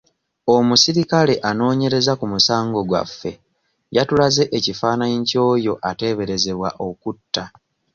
Omuserikale anoonyereza ku musango gwaffe yatulaze ekifaananyi ky'oyo ateeberezebwa okutta.